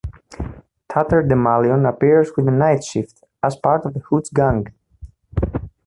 Tatterdemalion appears with the Night Shift, as part of the Hood's gang.